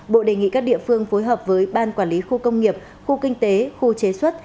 bộ đề nghị các địa phương phối hợp với ban quản lý khu công nghiệp khu kinh tế khu chế xuất